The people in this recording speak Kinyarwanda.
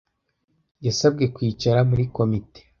Yasabwe kwicara muri komite.